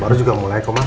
baru juga mulai kok ma